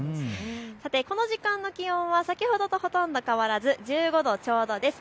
さてこの時間の気温は先ほどとほとんど変わらず１５度ちょうどです。